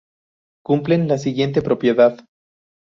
Cumplen la siguiente propiedad.